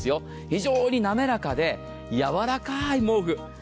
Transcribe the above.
非常に滑らかでやわらかい毛布。